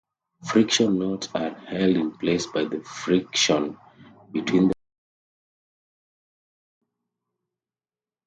Friction knots are held in place by the friction between the windings of line.